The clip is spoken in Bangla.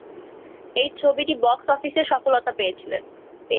এই ছবিটি বক্স অফিসে সফলতা পেয়েছিল।